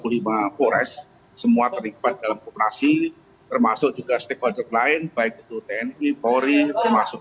lima forest semua terlibat dalam operasi termasuk juga stakeholder lain baik itu tni polri termasuk